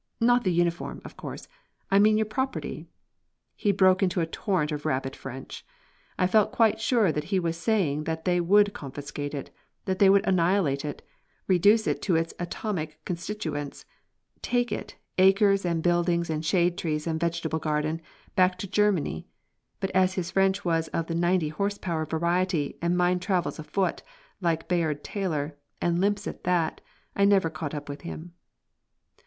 "Not the uniform, of course; I mean your property." He broke into a torrent of rapid French. I felt quite sure that he was saying that they would confiscate it; that they would annihilate it, reduce it to its atomic constituents; take it, acres and buildings and shade trees and vegetable garden, back to Germany. But as his French was of the ninety horse power variety and mine travels afoot, like Bayard Taylor, and limps at that, I never caught up with him.